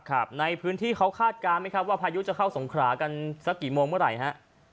ครับในพื้นที่เขาคาดการณ์ไหมครับว่าพายุจะเข้าสงขรากันสักกี่โมงเมื่อไหร่ฮะ